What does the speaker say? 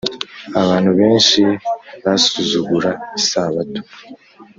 Abantu benshi basuzugura isabato